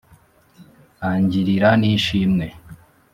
angirira n'ishimwe.